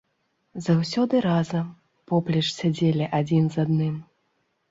Заўсёды разам, поплеч сядзелі адзін з адным.